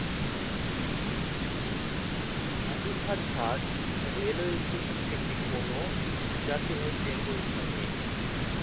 নাজিরহাট ঘাট railway station থেকে কোন যাত্রীবাহী ট্রেন পরিষেবা নেই।